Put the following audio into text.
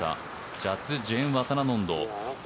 ジャズ・ジェーンワタナノンド。